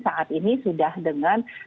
saat ini sudah dengan